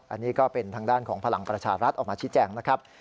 อันนี้ก็เป็นทางด้านของพลังประชารัฐออกมาชี้แจงนะครับ